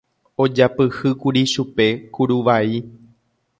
ojapyhýkuri chupe kuruvai